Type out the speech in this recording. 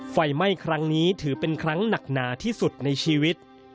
ไฟไหม้ครั้งนี้ถือเป็นครั้งหนักหนาที่สุดในชีวิต